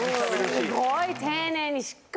すごい。